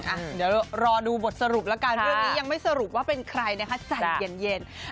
เดี๋ยวรอดูบทสรุปแล้วกันเรื่องนี้ยังไม่สรุปว่าเป็นใครนะคะใจเย็น